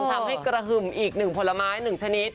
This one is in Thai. ทำให้กระหึ่มอีกหนึ่งผลไม้หนึ่งชนิด